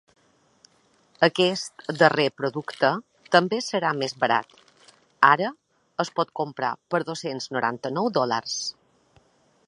Aquest darrer producte també serà més barat: ara es pot comprar per dos-cents noranta-nou dòlars.